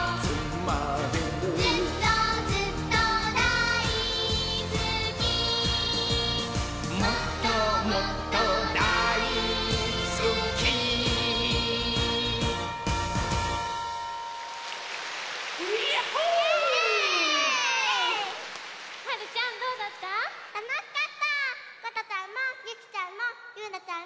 ことちゃんもゆきちゃんもゆうなちゃんもだいすき！